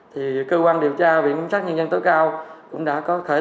thì cơ quan điều tra của viện kiểm sát nhân dân tối cao cũng đã có thể tố